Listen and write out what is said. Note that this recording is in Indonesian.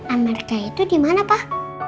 amerika itu dimana pak